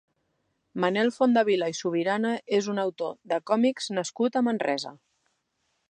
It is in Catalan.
Manel Fontdevila i Subirana és un autor de còmics nascut a Manresa.